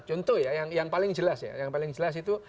contoh ya yang paling jelas ya yang paling jelas itu